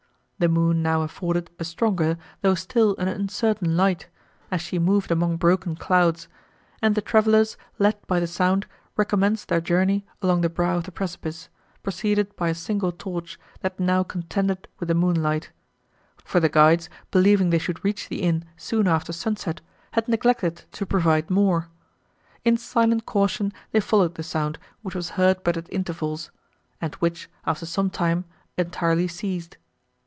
The moon now afforded a stronger, though still an uncertain light, as she moved among broken clouds; and the travellers, led by the sound, recommenced their journey along the brow of the precipice, preceded by a single torch, that now contended with the moonlight; for the guides, believing they should reach the inn soon after sunset, had neglected to provide more. In silent caution they followed the sound, which was heard but at intervals, and which, after some time entirely ceased.